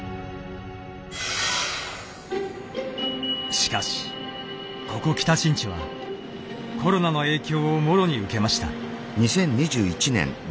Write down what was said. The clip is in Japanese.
しかしここ北新地はコロナの影響をもろに受けました。